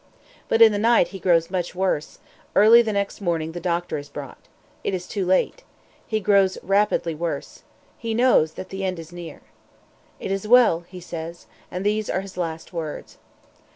But in the night he grows much worse; early the next morning the doctor is brought. It is too late. He grows rapidly worse. He knows that the end is near. "It is well," he says; and these are his last words.